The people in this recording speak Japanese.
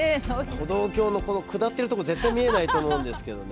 歩道橋のこの下ってるとこ絶対見えないと思うんですけどね